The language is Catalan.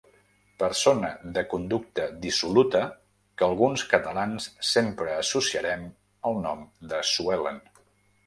Persona de conducta dissoluta que alguns catalans sempre associarem al nom de Sue Ellen.